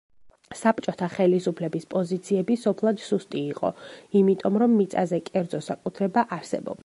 საბჭოთა ხელისუფლების პოზიციები სოფლად სუსტი იყო იმიტომ, რომ მიწაზე კერძო საკუთრება არსებობდა.